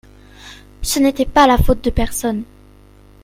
Ce n’était pas la faute de personne.